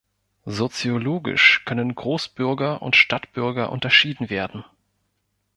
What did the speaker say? Soziologisch können Großbürger und Stadtbürger unterschieden werden.